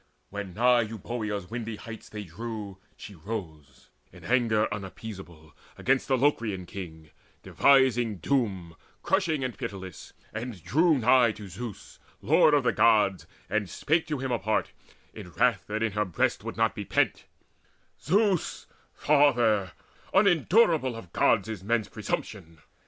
When nigh Euboea's windy heights they drew, She rose, in anger unappeasable Against the Locrian king, devising doom Crushing and pitiless, and drew nigh to Zeus Lord of the Gods, and spake to him apart In wrath that in her breast would not be pent: "Zeus, Father, unendurable of Gods Is men's presumption!